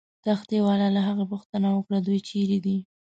تختې والاو له هغه پوښتنه وکړه: دوی چیرې دي؟